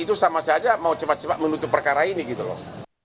itu sama saja mau cepat cepat menutup perkara ini gitu loh